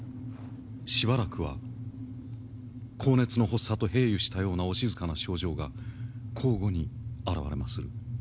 しばらくは高熱の発作と平癒したようなお静かな症状が交互に現れまする。